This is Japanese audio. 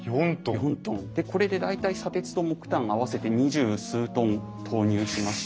これで大体砂鉄と木炭を合わせて２０数トン投入しまして。